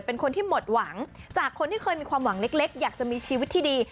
เป็นคนที่หมดหวังจากคนที่เคยมีความหวังเล็กอยากจะมีชีวิตที่ดี